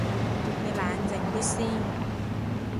你冷靜啲先